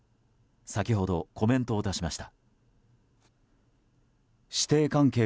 先ほどコメントを出しました。